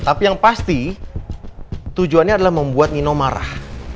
tapi yang pasti tujuannya adalah membuat nino marah